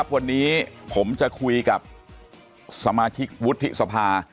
วันนี้ผมจะคุยกับสมาชิกวุฒิสภา